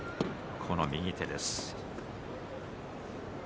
この右手です。